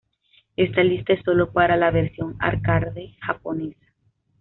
Esta lista es solo para la versión arcade japonesa.